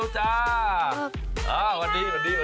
สวัสดีน้องวิวจ้า